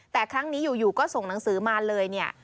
แต่ครั้งนี้อยู่ก็ส่งหนังสือมาเลยเนี่ย